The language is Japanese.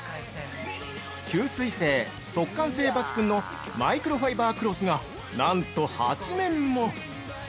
◆吸水性、速乾性抜群のマイクロファイバークロスがなんと８面も！